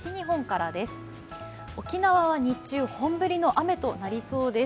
沖縄は日中、本降りの雨となりそうです。